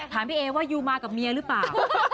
พี่เอว่ายูมากับเมียหรือเปล่า